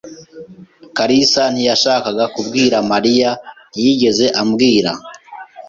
kalisa ntiyashakaga kubwira Mariya. Ntiyigeze ambwira.